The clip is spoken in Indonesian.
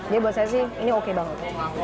jadi buat saya sih ini oke banget